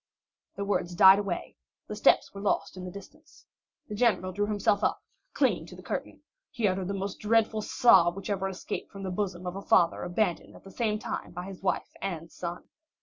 The words died away, the steps were lost in the distance. The general drew himself up, clinging to the curtain; he uttered the most dreadful sob which ever escaped from the bosom of a father abandoned at the same time by his wife and son.